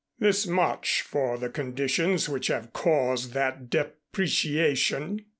This much for the conditions which have caused that depreciation.